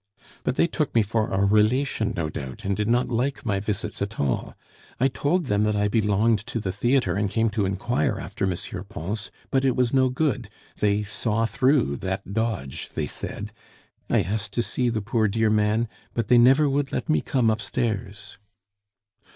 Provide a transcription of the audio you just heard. "But they took me for a relation, no doubt, and did not like my visits at all. I told them that I belonged to the theatre and came to inquire after M. Pons; but it was no good. They saw through that dodge, they said. I asked to see the poor dear man, but they never would let me come upstairs."